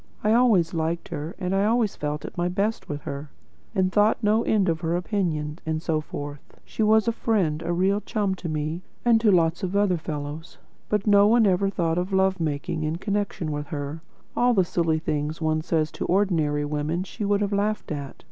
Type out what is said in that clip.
I always liked her, and always felt at my best with her, and thought no end of her opinion, and so forth. She was a friend and a real chum to me, and to lots of other fellows. But one never thought of love making in connection with her. All the silly things one says to ordinary women she would have laughed at.